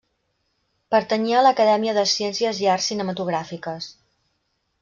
Pertanyia a l'Acadèmia de Ciències i Arts Cinematogràfiques.